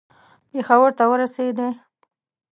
پېښور ته ورسېدی.